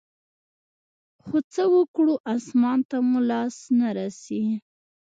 خو څه وكړو اسمان ته مو لاس نه رسي.